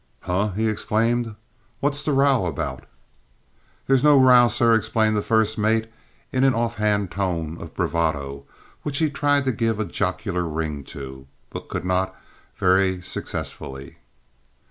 "Huh!" he exclaimed. "What's the row about?" "There's no row, sir," explained the first mate in an off hand tone of bravado, which he tried to give a jocular ring to, but could not very successfully.